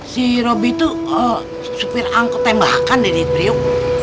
si robby itu supir angkut tembakan dan diberiuk